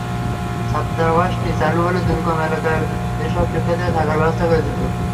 ছাত্রাবাসটি চালু হলে দুর্গম এলাকার এসব শিক্ষার্থীর থাকার ব্যবস্থা করা যেত।